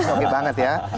ya oke banget ya